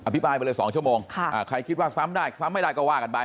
พี่ปอยไปเลย๒ชั่วโมงใครคิดว่าซ้ำได้ซ้ำไม่ได้ก็ว่ากันไป